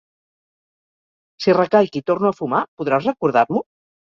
Si recaic i torno a fumar podràs recordar-m'ho?